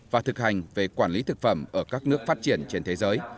và thực hành về quản lý thực phẩm ở các nước phát triển trên thế giới